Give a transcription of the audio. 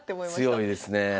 強いですね。